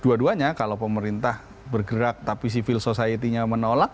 dua duanya kalau pemerintah bergerak tapi civil society nya menolak